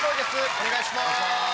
お願いします。